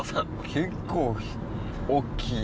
結構大っきいな。